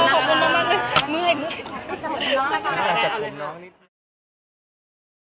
ขอบคุณมาก